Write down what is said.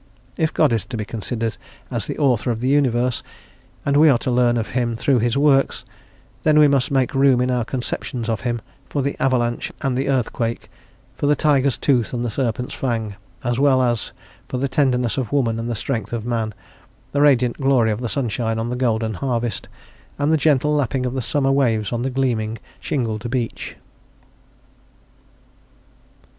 If God is to be considered as the author of the universe, and we are to learn of him through his works, then we must make room in our conceptions of him for the avalanche and the earthquake, for the tiger's tooth and the serpent's fang, as well as for the tenderness of woman and the strength of man, the radiant glory of the sunshine on the golden harvest, and the gentle lapping of the summer waves on the gleaming shingled beach.